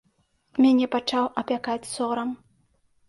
Мяне пачаў апякаць сорам.